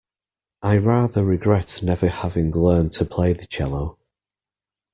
I rather regret never having learned to play the cello.